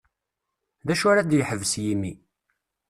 D acu ara ad yeḥbes yimi.